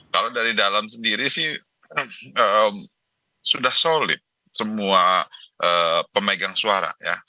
kalau dari dalam sendiri sih sudah solid semua pemegang suara ya